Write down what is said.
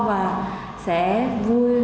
và sẽ vui